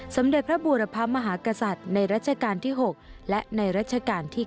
สมเด็จพระบูรพมหากษัตริย์ในรัชกาลที่๖และในรัชกาลที่๙